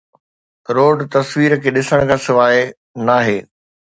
road تصوير کي ڏسڻ کان سواء ناهي